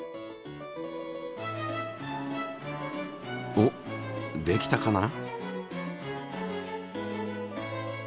おっできたかな？